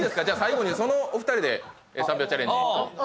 じゃ最後にそのお二人で３秒チャレンジ